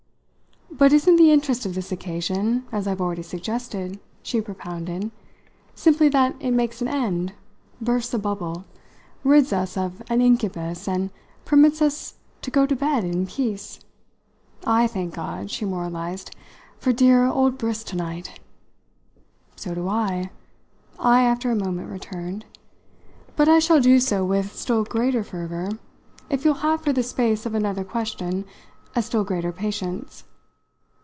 "But isn't the interest of this occasion, as I've already suggested," she propounded, "simply that it makes an end, bursts a bubble, rids us of an incubus and permits us to go to bed in peace? I thank God," she moralised, "for dear old Briss to night." "So do I," I after a moment returned; "but I shall do so with still greater fervour if you'll have for the space of another question a still greater patience."